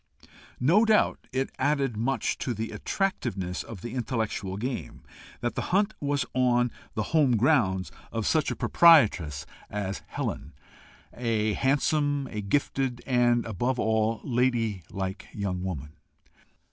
No doubt it added much to the attractiveness of the intellectual game that the hunt was on the home grounds of such a proprietress as Helen a handsome, a gifted, and, above all, a ladylike young woman.